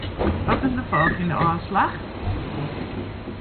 Wat is de folgjende ôfslach?